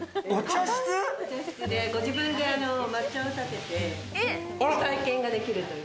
ご自分で抹茶をたてて体験ができるという。